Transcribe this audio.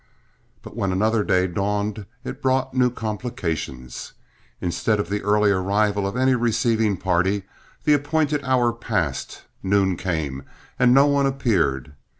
But when another day dawned, it brought new complications. Instead of the early arrival of any receiving party, the appointed hour passed, noon came, and no one appeared.